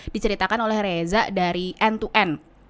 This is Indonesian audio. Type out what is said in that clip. diceritakan oleh reza dari end to end